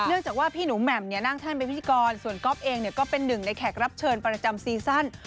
จากว่าพี่หนูแหม่มเนี่ยนั่งแท่นเป็นพิธีกรส่วนก๊อฟเองก็เป็นหนึ่งในแขกรับเชิญประจำซีซั่น